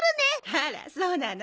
あらそうなの？